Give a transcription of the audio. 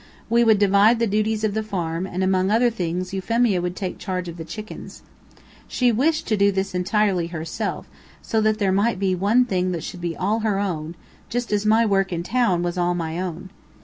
We would divide the duties of the farm, and, among other things, Euphemia would take charge of the chickens. She wished to do this entirely herself, so that there might be one thing that should be all her own, just as my work in town was all my own.